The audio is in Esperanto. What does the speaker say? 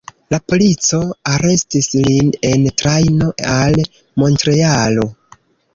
La polico arestis lin en trajno al Montrealo.